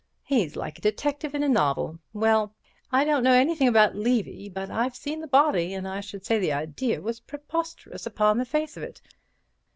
"He's like a detective in a novel. Well, I don't know anything about Levy, but I've seen the body, and I should say the idea was preposterous upon the face of it.